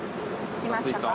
着きましたか。